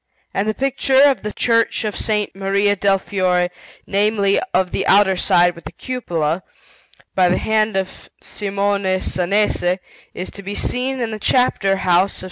And the picture of the Church of S. Maria del Fiore namely, of the outer side with the cupola by the hand of Simone Sanese, is to be seen in the Chapter house of S.